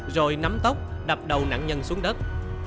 rồi nắm tốc đập đầu nạn nhân xuống đất